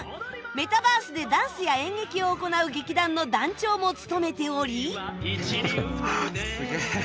メタバースでダンスや演劇を行う劇団の団長も務めており